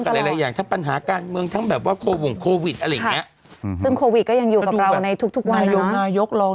เพราะว่าเราก็เจอกันหลายอย่าง